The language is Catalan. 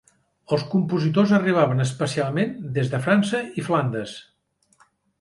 Els compositors arribaven especialment des de França i Flandes.